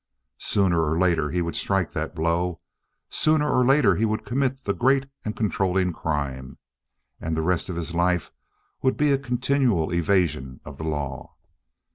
Sooner or later he would strike that blow. Sooner or later he would commit the great and controlling crime. And the rest of his life would be a continual evasion of the law.